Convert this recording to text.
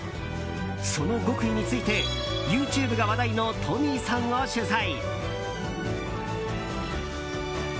その極意についてＹｏｕＴｕｂｅが話題のＴｏｍｍｙさんを取材。